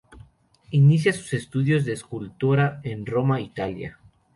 Inicia sus estudios de escultora en Roma, Italia.